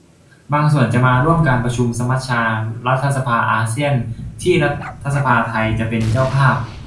บางส่วนจะมาร่วมการประชุมสมัชชารัฐสภาอาเซียน ที่รัฐสภาไทยจะเป็นเจ้าภาพ